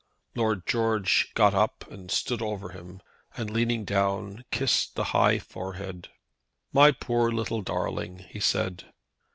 Lord George got up and stood over him, and leaning down kissed the high forehead. "My poor little darling," he said.